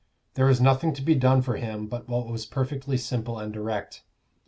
There was nothing to be done for him but what was perfectly simple and direct.